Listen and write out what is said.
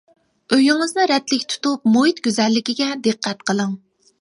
ئۆيىڭىزنى رەتلىك تۇتۇپ، مۇھىت گۈزەللىكىگە دىققەت قىلىڭ.